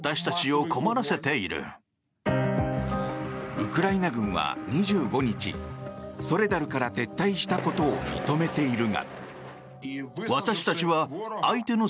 ウクライナ軍は２５日ソレダルから撤退したことを認めているが。